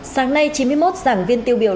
sáng nay chín mươi một giảng viên tiêu biểu